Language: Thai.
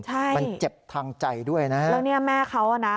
ใช่มันเจ็บทางใจด้วยนะฮะแล้วเนี่ยแม่เขาอ่ะนะ